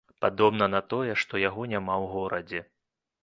Падобна на тое, што яго няма ў горадзе.